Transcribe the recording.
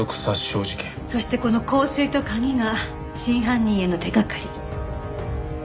そしてこの香水と鍵が真犯人への手掛かり。